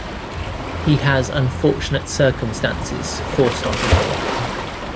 He has unfortunate circumstances forced onto him.